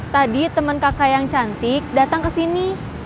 tadi temen kakak yang cantik datang kesini